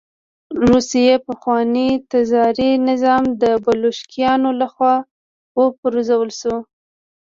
د روسیې پخوانی تزاري نظام د بلشویکانو له خوا وپرځول شو